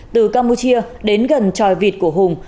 từ campuchia đến gần tròi vịt của hùng